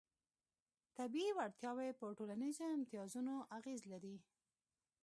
طبیعي وړتیاوې په ټولنیزو امتیازونو اغېز لري.